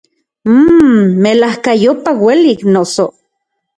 Mmmm, ¡melajkayopa uelik, noso!